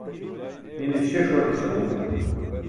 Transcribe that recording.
ine śe ṣuaṭ eću bom